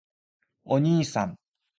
おにいさん！！！